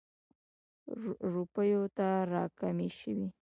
روپیو ته را کمې شوې.